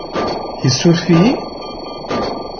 Isuref-iyi?